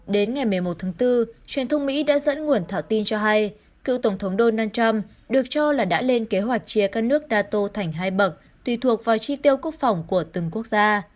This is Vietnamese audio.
đến ngày một mươi một tháng bốn truyền thông mỹ đã dẫn nguồn thảo tin cho hay cựu tổng thống donald trump được cho là đã lên kế hoạch chia các nước nato thành hai bậc tùy thuộc vào chi tiêu quốc phòng của từng quốc gia